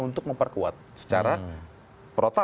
untuk memperkuat secara protak